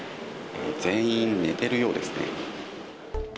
全員寝てるようですね。